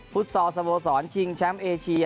พุทธศาลสโวษรชิงแชมป์เอเชีย